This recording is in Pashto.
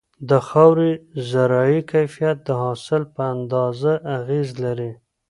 د خاورې زراعتي کيفيت د حاصل په اندازه اغېز لري.